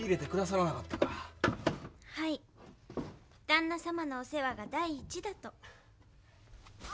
旦那様のお世話が第一だと。